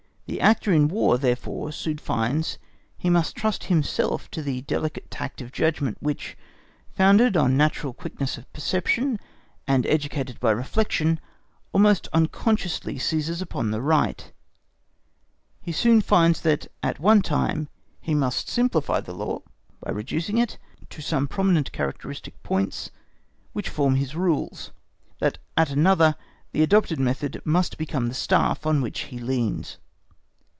The actor in War therefore soon finds he must trust himself to the delicate tact of judgment which, founded on natural quickness of perception, and educated by reflection, almost unconsciously seizes upon the right; he soon finds that at one time he must simplify the law (by reducing it) to some prominent characteristic points which form his rules; that at another the adopted method must become the staff on which he leans.